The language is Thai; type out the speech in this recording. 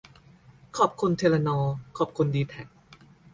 ขอบคุณเทเลนอร์ ขอบคุณดีแทค